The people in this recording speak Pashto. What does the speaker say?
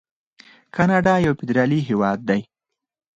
کاناډا یو فدرالي هیواد دی.